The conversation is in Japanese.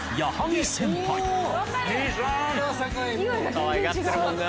かわいがってるもんな。